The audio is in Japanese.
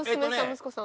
息子さん？